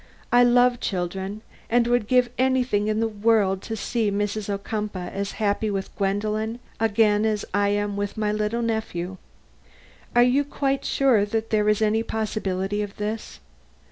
I love children, and would give anything in the world to see Mrs. Ocumpaugh as happy with Gwendolen again as I am with my little nephew. Are you quite sure that there is any possibility of this?